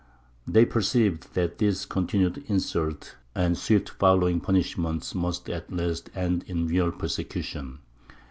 They perceived that these continued insults and swift following punishments must at last end in real persecution.